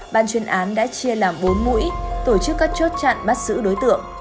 ban chuyên án đã chia làm bốn mũi tổ chức các chốt chặn bắt giữ đối tượng